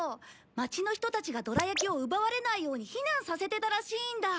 街の人たちがどら焼きを奪われないように避難させてたらしいんだ。